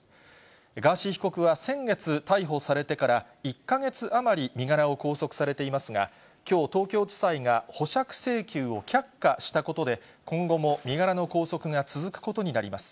ガーシー被告は先月逮捕されてから１か月余り、身柄を拘束されていますが、きょう、東京地裁が保釈請求を却下したことで、今後も身柄の拘束が続くことになります。